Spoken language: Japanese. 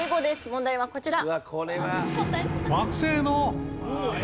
問題はこちら。